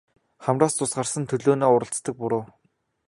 Хамраас цус гарсан төлөөнөө уралцдаг буруу.